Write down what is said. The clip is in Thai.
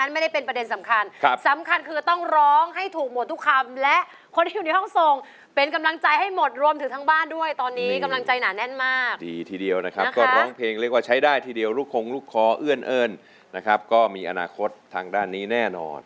นะครับรูปคอเอือนเอิญนะครับก็มีอนาคตทางด้านนี้แน่นอน